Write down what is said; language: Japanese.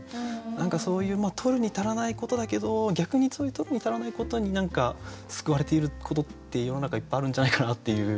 何かそういうとるに足らないことだけど逆にそういうとるに足らないことに何か救われていることって世の中いっぱいあるんじゃないかなっていう。